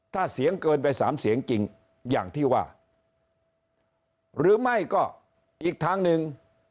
ถ้าเสียงเกินไปสามเสียงจริงอย่างที่ว่าหรือไม่ก็อีกทางหนึ่ง